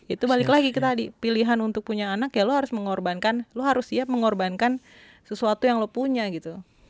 itu balik lagi ke tadi pilihan untuk punya anak ya lo harus mengorbankan lo harus siap mengorbankan sesuatu yang lo punya gitu